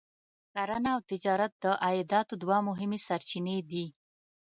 کرنه او تجارت د عایداتو دوه مهمې سرچینې دي.